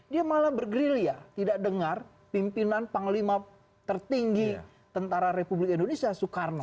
dia malah bergerilya tidak dengar pimpinan panglima tertinggi tentara republik indonesia soekarno